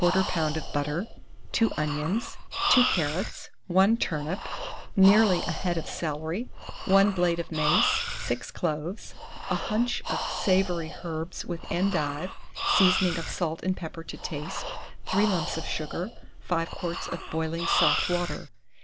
of butter, 2 onions, 2 carrots, 1 turnip, nearly a head of celery, 1 blade of mace, 6 cloves, a hunch of savoury herb with endive, seasoning of salt and pepper to taste, 3 lumps of sugar, 5 quarts of boiling soft water.